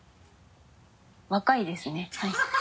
若いですね。